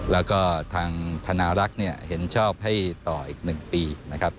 แล้วก็ทางธนารักษ์เนี่ยเห็นชอบให้ต่ออีก๑ปีนะครับ